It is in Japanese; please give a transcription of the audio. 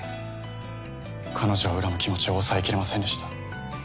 彼女を恨む気持ちを抑えきれませんでした。